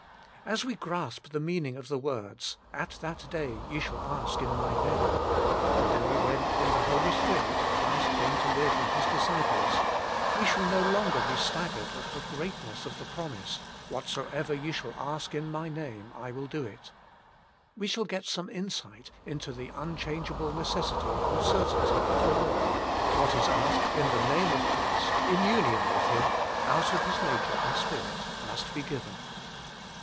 As we grasp the meaning of the words, " At that day ye shall ask in My Name " IN THE NAME OP CHRIST 131 the day when in the Holy Spirit Christ came to live in His disciples we shall no longer be staggered at the greatness of the promise :" Whatsoever ye shall ask in My Name, I will do it." We shall get some insight into the unchangeable necessity and certainty of the law: what is asked in the Name of Christ, in union with Him, out of His nature and Spirit, must be given.